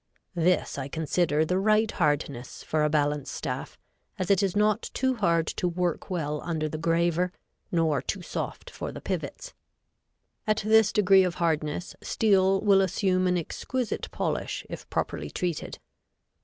This I consider the right hardness for a balance staff, as it is not too hard to work well under the graver nor too soft for the pivots. At this degree of hardness steel will assume an exquisite polish if properly treated.